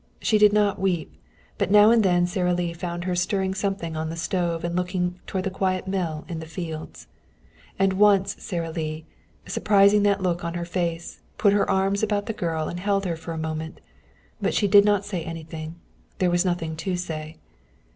She did not weep, but now and then Sara Lee found her stirring something on the stove and looking toward the quiet mill in the fields. And once Sara Lee, surprising that look on her face, put her arms about the girl and held her for a moment. But she did not say anything. There was nothing to say.